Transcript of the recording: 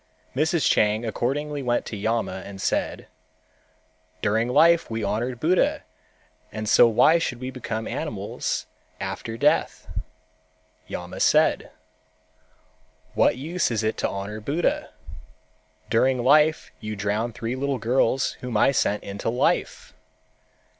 Mrs. Chang accordingly went to Yama and said, "During life we honored Buddha and so why should we become animals after death?" Yama said, "What use is it to honor Buddha? During life you drowned three girls whom I sent into life.